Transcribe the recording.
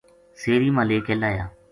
سیری ما لے کے لاہیا